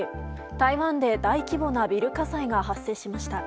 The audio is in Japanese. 台湾で大規模なビル火災が発生しました。